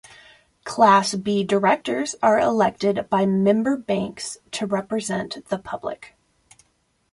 Class B directors are elected by member banks to represent the public.